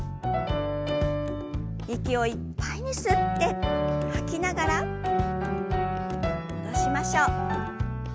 息をいっぱいに吸って吐きながら戻しましょう。